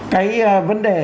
cái vấn đề